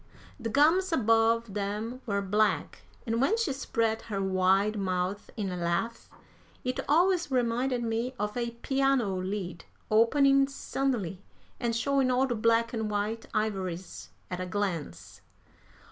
The gums above them were black, and when she spread her wide mouth in a laugh, it always reminded me of a piano lid opening suddenly and showing all the black and white ivories at a glance.